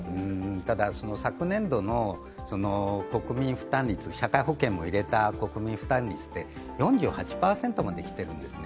ただ昨年度の社会保険も入れた国民負担率は４８％まできてるんですよね。